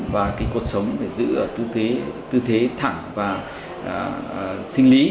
và cột sống phải giữ tư thế thẳng và sinh lý